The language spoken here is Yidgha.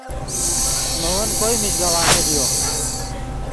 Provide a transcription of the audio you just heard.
نے ون کوئے میژگوانو لیو